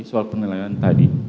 soal penilaian tadi